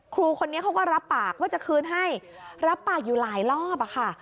ครูคนนี้เขาก็รับปากว่าจะคืนให้รับปากอยู่หลายรอบอะค่ะ